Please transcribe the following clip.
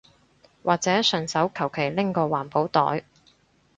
或者順手求其拎個環保袋